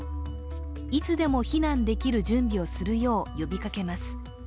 いつでも避難できる準備をするよう呼びかけます。